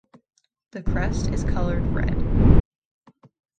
The crest is colored red.